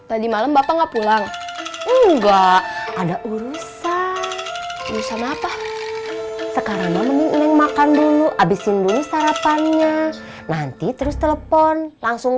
ada urusan urusan apa sekarang mending makan dulu abisin dulu sarapannya nanti terus telepon langsung